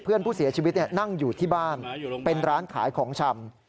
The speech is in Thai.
เพื่อนผู้เสียชีวิตนั่งอยู่ที่บ้านเป็นร้านขายของชำ